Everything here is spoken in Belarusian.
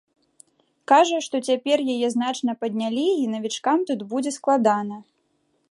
Кажа, што цяпер яе значна паднялі і навічкам тут будзе складана.